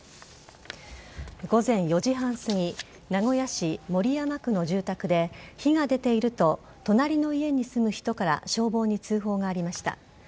午前４時半すぎ名古屋市守山区の住宅で火が出ていると隣の家に住む人から消防に通報がありました。